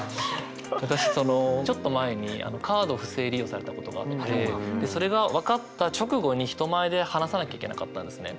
私そのちょっと前にカード不正利用されたことがあってそれが分かった直後に人前で話さなきゃいけなかったんですね。